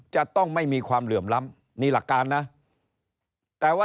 จะต้องไม่มีความเหลื่อมล้ำ